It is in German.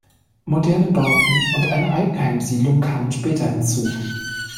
Moderne Bauten und eine Eigenheimsiedlung kamen später hinzu.